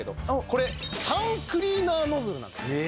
これタンクリーナーノズルなんです。